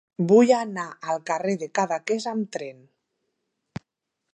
Vull anar al carrer de Cadaqués amb tren.